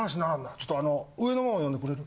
ちょっと上のもん呼んでくれる？